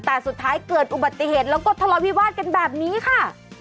แต่สุดท้ายเกิดอุบัติเหตุแล้วก็ทะเลาวิวาสกันแบบนี้ค่ะ